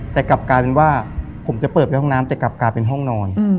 แต่กลับกลายเป็นว่าผมจะเปิดไปห้องน้ำแต่กลับกลายเป็นห้องนอน